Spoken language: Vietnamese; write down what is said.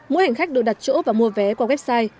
mỗi hành khách được đặt chỗ và mua vé qua website